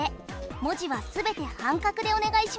文字は全て半角でお願いします。